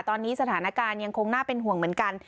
ตอนนี้สถานการณ์ยังคงน่าเป็นห่วงเหมือนกัน